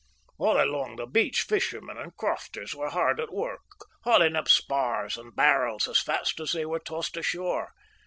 All along the beach fishermen and crofters were hard at work hauling up spars and barrels as fast as they were tossed ashore.